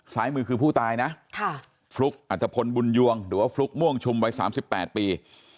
ซ้ายมือคือผู้ตายนะฟลุ๊กอัตภพลบุญยวงหรือว่าฟลุ๊กม่วงชุมวัย๓๘ปี